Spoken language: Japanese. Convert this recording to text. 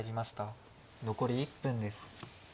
残り１分です。